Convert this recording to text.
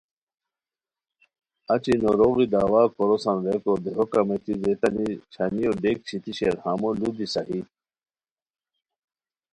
اچی نورو غی دعویٰ کوروسان ریکو دیہو کمیٹی ریتانی چھانیو ڈیک چھتیی شیر ہمو ُلو دی صحیح